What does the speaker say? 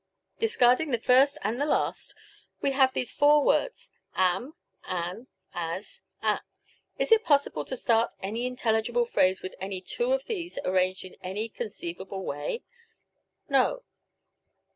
Discarding the first and the last, we have these four words, am, an, as, at. Is it possible to start any intelligible phrase with any two of these arranged in any conceivable way? No.